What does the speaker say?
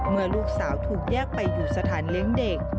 เมื่อลูกสาวถูกแยกไปอยู่สถานเลี้ยงเด็ก